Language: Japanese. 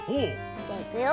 じゃいくよ。